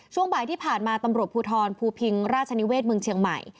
ช่วงบ่ายที่ผ่านมาตำรวจภูทรภูพิงราชนิเวศเมืองเชียงใหม่